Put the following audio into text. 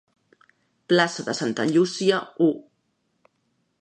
Plaça de Santa Llúcia, u.